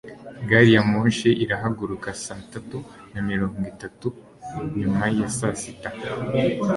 gari ya moshi irahaguruka saa tatu na mirongo itatu nyuma ya saa sita